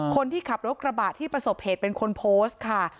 คนที่ขับรถกระบะที่ประสบเหตุเป็นคนโพสต์ค่ะ